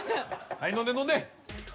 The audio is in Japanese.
はい飲んで飲んで。